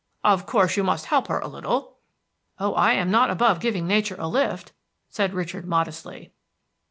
Of course you must help her a little." "Oh, I am not above giving nature a lift," said Richard modestly.